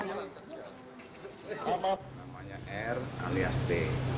namanya r alias t